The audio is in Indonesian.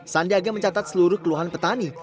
sandiaga mencatat seluruh keluhan petani